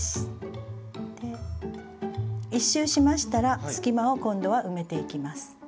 １周しましたら隙間を今度は埋めていきます。